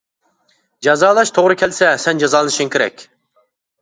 جازالاش توغرا كەلسە سەن جازالىنىشىڭ كېرەك.